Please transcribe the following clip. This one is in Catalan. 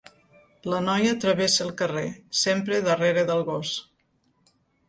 La noia travessa el carrer, sempre darrere del gos.